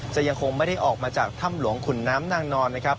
จะยังคงไม่ได้ออกมาจากถ้ำหลวงขุนน้ำนางนอนนะครับ